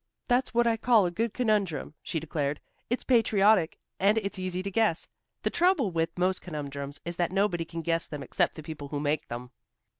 "That's what I call a good conundrum," she declared; "it's patriotic, and it's easy to guess. The trouble with most conundrums is that nobody can guess them except the people who make them."